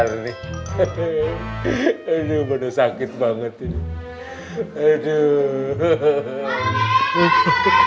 dua sekali bernafas terima kasih gonna the product oleh